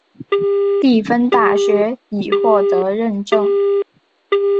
蒂芬大学已获得认证。